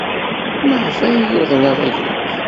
Maɣef ay yuḍen aɣilif?